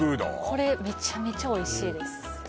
これめちゃめちゃおいしいです